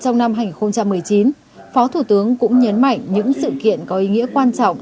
trong năm hai nghìn một mươi chín phó thủ tướng cũng nhấn mạnh những sự kiện có ý nghĩa quan trọng